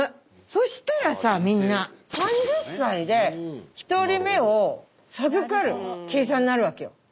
そしたらさみんな３０歳で１人目を授かる計算になるわけよ。